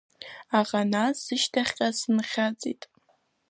Аха нас сышьҭахьҟа сынхьаҵит.